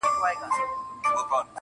ویل دا پنیر کارګه ته نه ښایيږي-